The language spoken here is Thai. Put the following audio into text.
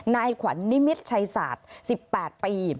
นายขวัญนิมิตรชัยศาสตร์๑๘ปี